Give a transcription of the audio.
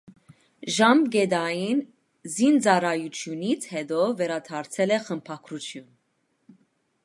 Ժամկետային զինծառայությունից հետո վերադարձել է խմբագրություն։